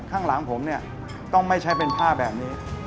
ข้างหลังผมเนี่ยต้องไม่ใช้เป็นผ้าแบบนี้